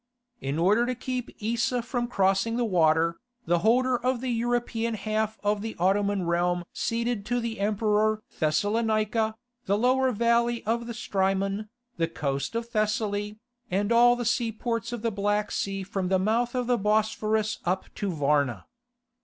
In order to keep Eesa from crossing the water, the holder of the European half of the Ottoman realm ceded to the Emperor Thessalonica, the lower valley of the Strymon, the coast of Thessaly, and all the seaports of the Black Sea from the mouth of the Bosphorus up to Varna.